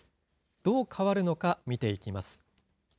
どう変わるのか見ていきます。